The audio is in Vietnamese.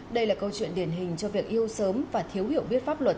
đây là câu chuyện điển hình cho việc yêu sớm và thiếu hiểu biết pháp luật